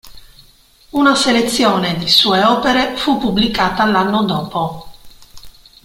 Una selezione di sue opere fu pubblicata l'anno dopo.